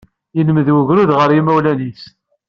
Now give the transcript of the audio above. Yelmed ugrud ɣer yimawlan-is.